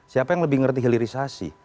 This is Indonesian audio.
siapa yang lebih ngerti hilirisasi